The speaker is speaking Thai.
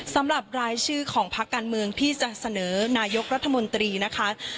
สำหรับรายชื่อของพักการเมืองที่จะเสนอนายกรัฐมนตรีนะคะ